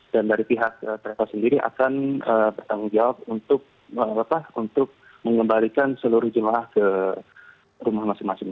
dan dari pihak travel sendiri akan bertanggung jawab untuk mengembalikan seluruh jemaah ke rumah masing masing